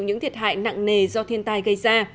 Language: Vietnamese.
những thiệt hại nặng nề do thiên tai gây ra